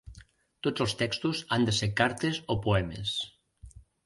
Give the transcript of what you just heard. Tots els textos han de ser cartes o poemes.